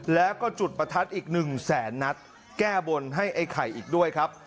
แล้วก็จุดประทัดอีกหนึ่งแสนนัดแก้บนให้ไอ้ไข่อีกด้วยครับ